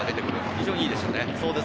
非常にいいですね。